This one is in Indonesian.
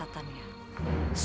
ternyata ada yang beres